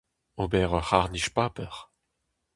Ober ur c'harr-nij paper.